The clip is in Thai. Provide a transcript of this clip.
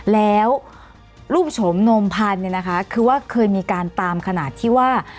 แล้วรูปชมนมพันธุ์คือว่าเคยมีการตามขนาดที่ว่า